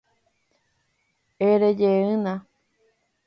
Erejeýna